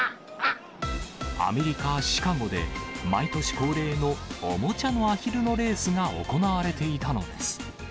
アメリカ・シカゴで、毎年恒例のおもちゃのアヒルのレースが行われていたのです。